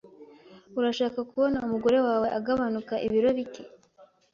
Urashaka kubona umugore wawe agabanuka ibiro bike?